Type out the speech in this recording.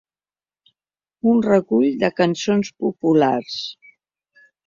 Un recull de cançons populars.